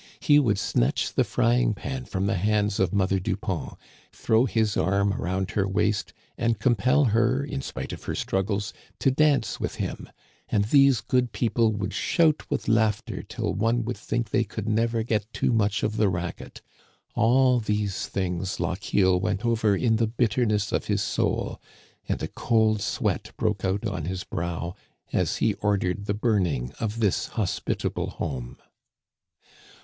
He would snatch the frying pan from the hands of Mother Dupont, throw his arm around her waist, and compel her, in spite of her struggles, to dance with him ; and these good people would shout with laughter till one would think they could never get too much of the racket. All these things Lochiel went over in the bitterness of his soul, and a cold sweat broke out on his brow as he ordered the burning of this hospitable home.